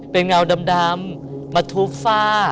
เป็นเงาดำมาทุบฝ้า